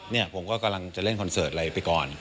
เนี่ยผมก็กำลังจะเล่นคอนเสิร์ตอะไรไปก่อน